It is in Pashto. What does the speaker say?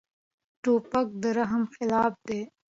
توپک د رحم خلاف دی.